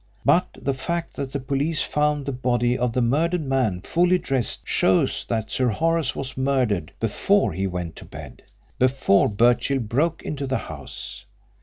But the fact that the police found the body of the murdered man fully dressed shows that Sir Horace was murdered before he went to bed before Birchill broke into the house.